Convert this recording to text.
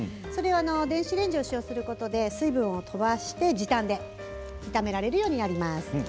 電子レンジを使用することで水分を飛ばして時短で炒められるようになります。